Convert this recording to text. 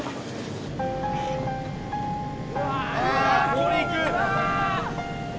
これいく？